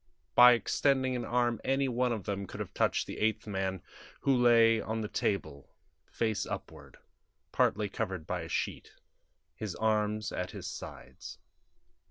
By extending an arm any one of them could have touched the eighth man, who lay on the table, face upward, partly covered by a sheet, his arms at his sides.